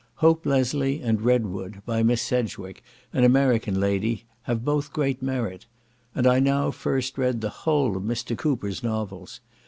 Hope Leslie, and Redwood, by Miss Sedgewick, an American lady, have both great merit; and I now first read the whole of Mr. Cooper's novels.